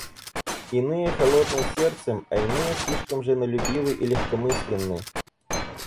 Иные холодны сердцем, а иные слишком женолюбивы и легкомысленны.